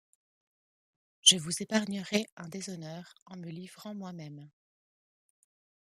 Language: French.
Je vous épargnerai un déshonneur en me livrant moi-même.